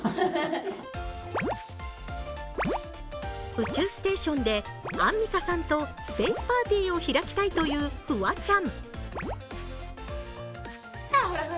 宇宙ステーションでアンミカさんとスペースパーティーを開きたいというフワちゃん。